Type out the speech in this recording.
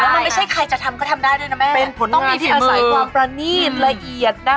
แล้วไม่ใช่ใครจะทำก็ทำได้ด้วยนะแม่อาศัยประตูนีดละเอียดนะคะเป็นผลงานฝีมือ